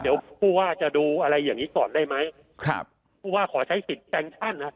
เดี๋ยวผู้ว่าจะดูอะไรอย่างงี้ก่อนได้ไหมครับผู้ว่าขอใช้สิทธิ์แซงชั่นฮะ